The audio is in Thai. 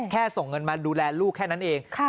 ส่งเงินมาดูแลลูกแค่นั้นเอง